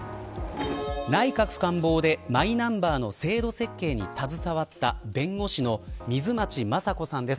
内閣官房でマイナンバーの制度設計に携わっていた弁護士の水町雅子さんです。